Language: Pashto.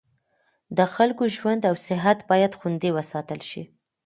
د خلکو ژوند او صحت باید خوندي وساتل شي.